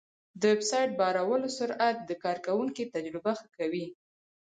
د ویب سایټ بارولو سرعت د کارونکي تجربه ښه کوي.